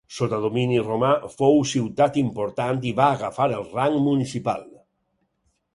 Sota domini romà fou ciutat important i va agafar el rang municipal.